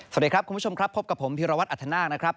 สวัสดีครับคุณผู้ชมครับพบกับผมพิรวัตรอัธนาคนะครับ